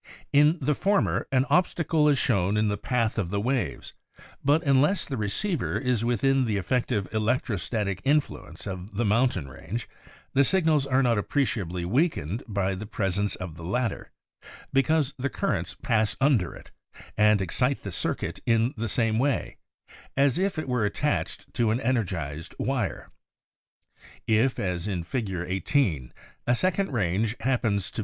In the former an obstacle is shown in the path of the waves but unless the re ceiver is within the effective electrostatic influence of the mountain range, the signals are not appreciably weakened by the pres ence of the latter, because the currents pass under it and excite the circuit in the same way, as if it were attached to an energiz d wire. If, as in Fig. 18, a second range hap pens to.